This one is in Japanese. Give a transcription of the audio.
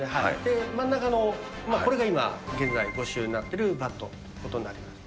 真ん中のこれが今、現在ご使用になってるバットとなります。